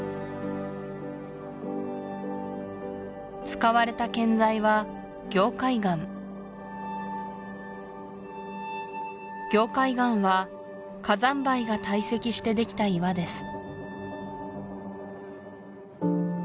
使われた建材は凝灰岩凝灰岩は火山灰が堆積してできた岩です